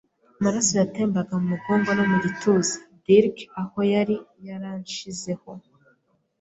maraso yatembaga mu mugongo no mu gituza. Dirk, aho yari yaranshizeho